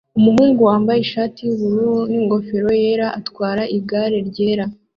Umuhungu wambaye ishati yubururu n'ingofero yera atwara igare ryera